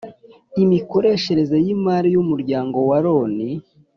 imikoreshereze y imari y umuryango wa Loni